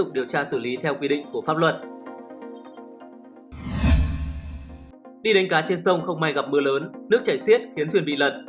đi đánh cá trên sông không may gặp mưa lớn nước chảy xiết khiến thuyền bị lật